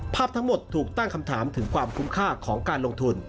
ภาพทั้งหมดถูกตั้งคำถามถึงความคุ้มค่าของการลงทุน